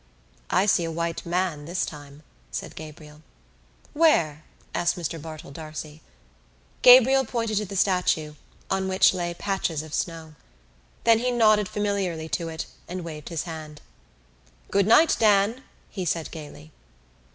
"I see a white man this time," said Gabriel. "Where?" asked Mr Bartell D'Arcy. Gabriel pointed to the statue, on which lay patches of snow. Then he nodded familiarly to it and waved his hand. "Good night, Dan," he said gaily.